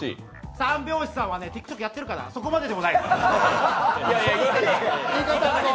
三拍子さんはＴｉｋＴｏｋやってるかな、そこまででもないです。